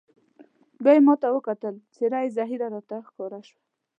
بیا یې ما ته وکتل، څېره یې زهېره راته ښکاره شوه.